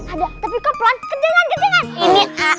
ada tapi kau pelan kejangan kejangan